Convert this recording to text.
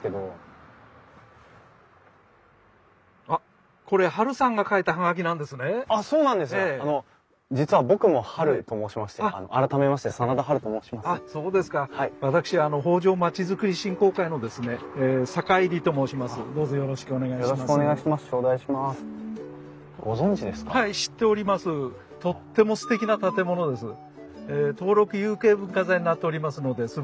登録有形文化財になっておりますのですばらしいですよ。